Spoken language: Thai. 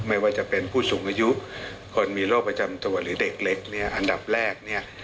ไม่ว่าจะเป็นผู้สูงอายุคนมีโรคประจำตัวหรือเด็กเล็กเนี่ยอันดับแรกเนี่ย